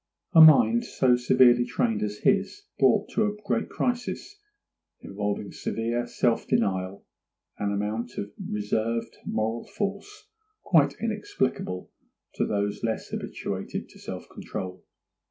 A mind so severely trained as his had been brings to a great crisis, involving severe self denial, an amount of reserved moral force quite inexplicable to those less habituated to self control.